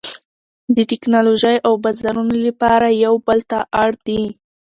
د ټکنالوژۍ او بازارونو لپاره یو بل ته اړ دي